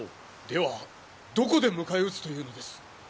ではどこで迎え撃つというのです？